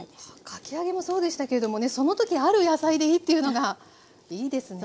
かき揚げもそうでしたけれどもねその時ある野菜でいいっていうのがいいですね。